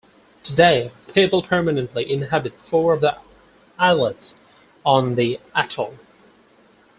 Today, people permanently inhabit four of the islets on the atoll.